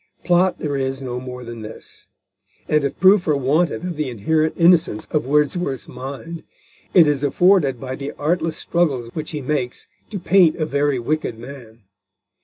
Plot there is no more than this, and if proof were wanted of the inherent innocence of Wordsworth's mind, it is afforded by the artless struggles which he makes to paint a very wicked man.